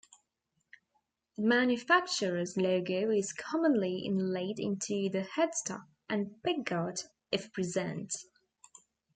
The manufacturer's logo is commonly inlaid into the headstock and pickguard, if present.